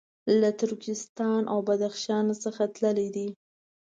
له ترکستان او بدخشان څخه تللي دي.